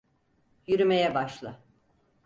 Yürümeye başla.